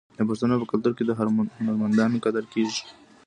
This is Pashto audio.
د پښتنو په کلتور کې د هنرمندانو قدر کیږي.